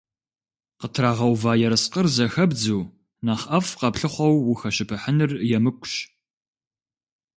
Къытрагъэува ерыскъыр зэхэбдзу, нэхъ ӏэфӏ къэплъыхъуэу ухэщыпыхьыныр емыкӏущ.